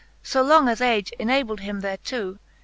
So long as age enabled him thereto.